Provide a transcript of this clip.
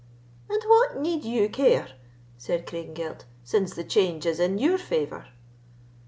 "And what need you care," said Craigengelt, "since the change is in your favour?"